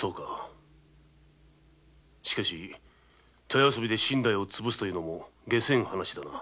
しかし茶屋遊びで身代をつぶすというのも解せぬ話だな。